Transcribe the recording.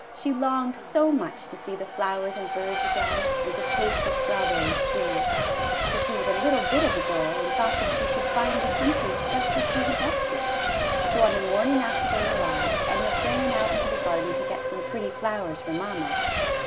She longed so much to see the flowers and birds again, and to taste the strawberries, too; for she was a little bit of a girl and thought that she should find the country just as she had left it. So on the morning after they arrived, Edna ran out into the garden to get some pretty flowers for mamma.